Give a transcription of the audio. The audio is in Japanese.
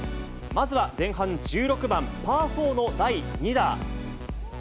まずは前半１６番パー４の第２打。